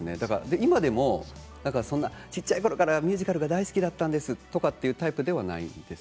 今でも小さいころからミュージカルが大好きだったんですというタイプではないです。